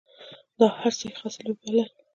دا هر څه یې خاصې لوبې بلل.